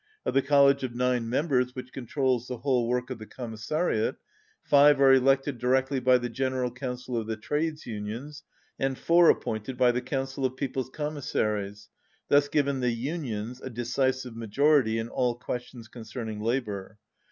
Of the College of nine members which controls the whole work of the Commissariat, five are elected directly by the General Council of the Trades Unions and four appointed by the Council of People's Com missaries, thus giving the Unions a decisive ma jority in all questions concerning labour.